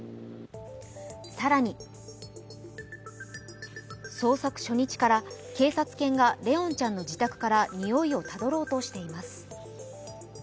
更に捜索初日から警察犬が怜音ちゃんの自宅からにおいをたどろうとしています。